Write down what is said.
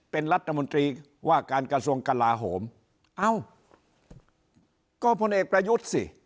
เป็นรัฐมนตรีว่าการกระทรวงกลาโหมเอ้าก็พลเอกประยุทธ์สิ